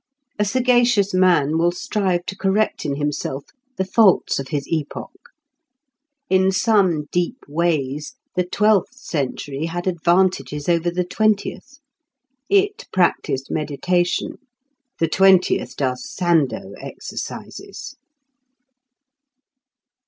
A sagacious man will strive to correct in himself the faults of his epoch. In some deep ways the twelfth century had advantages over the twentieth. It practised meditation. The twentieth does Sandow exercises.